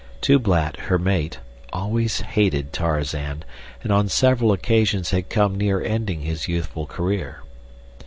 Tublat, her mate, always hated Tarzan, and on several occasions had come near ending his youthful career.